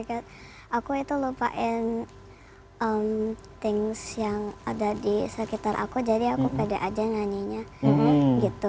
aku itu lupain things yang ada di sekitar aku jadi aku pede aja nyanyinya gitu